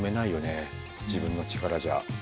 自分の力じゃ。